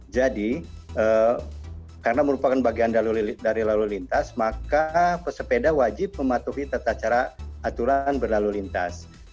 jadi karena merupakan bagian dari lalu lintas maka pesepeda wajib mematuhi tata cara aturan berlalu lintas